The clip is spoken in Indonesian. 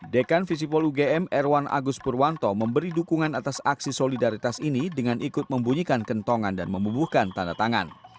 dekan visipol ugm erwan agus purwanto memberi dukungan atas aksi solidaritas ini dengan ikut membunyikan kentongan dan memubuhkan tanda tangan